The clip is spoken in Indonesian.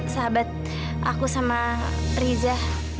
sahabat aku sama riza